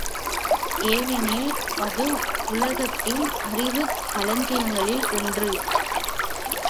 ஏனெனில், அது உலகத்தின் அறிவுக் களஞ்சியங்களில் ஒன்று.